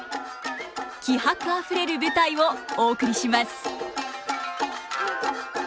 気迫あふれる舞台をお送りします。